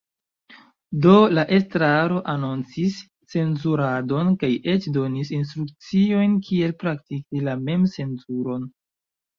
Do, la estraro anoncis cenzuradon kaj eĉ donis instrukciojn kiel praktiki la memcenzuron.